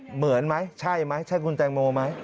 เหมือนไหมใช่ไหมใช่คุณแตงโมไหม